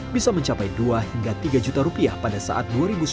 bisa mencapai dua hingga tiga juta rupiah pada saat dua ribu sembilan belas